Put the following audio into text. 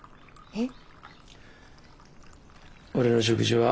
えっ？